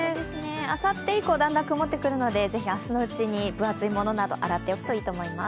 あさって以降だんだん曇ってくるので、ぜひ明日のうちに分厚いもの洗っておくといいと思います。